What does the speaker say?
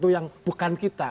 yang bukan kita